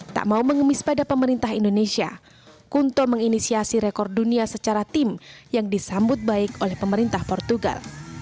tak mau mengemis pada pemerintah indonesia kunto menginisiasi rekor dunia secara tim yang disambut baik oleh pemerintah portugal